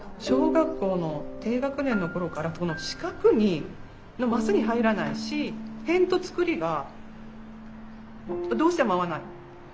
小学校の低学年の頃からこの四角のマスに入らないし偏とつくりがどうしても合わない。